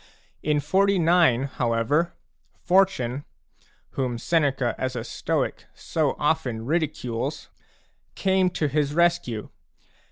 In 49, however, Fortune, whom Seneca as a Stoic so often ridicules, came to his rescue.